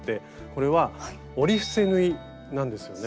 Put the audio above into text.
これは「折り伏せ縫い」なんですよね。